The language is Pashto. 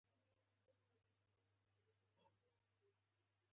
افغانستان د ځنګلي حاصلاتو له پلوه ځانته ځانګړې ځانګړتیاوې لري.